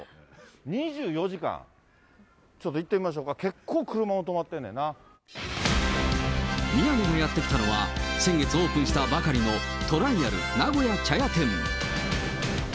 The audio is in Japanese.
２４時間、ちょっと行ってみましょうか、結構、宮根がやって来たのは、先月オープンしたばかりのトライアル名古屋茶屋店。